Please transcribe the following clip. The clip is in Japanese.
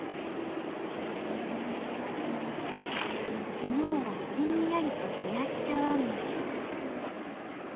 昨日はヒンヤリと冷やし茶わんむし。